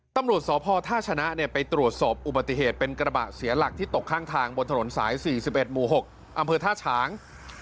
ตำรวจสพท่าชนะไปตรวจสอบอุบัติเหตุเป็นกระบะเสียหลักที่ตกข้างทางบนถนนสาย๔๑หมู่๖อำเภอท่าฉาง